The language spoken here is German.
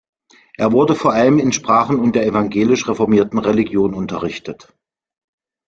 Er wurde vor allem in Sprachen und der evangelisch-reformierten Religion unterrichtet.